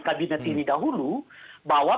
kabinet ini dahulu bahwa